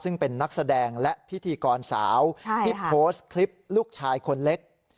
ซึ่งเป็นนักแสดงและพิธีกรสาวที่โพสต์คลิปลูกชายคนเล็ก